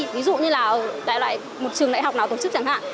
ví dụ như là một trường đại học nào tổ chức chẳng hạn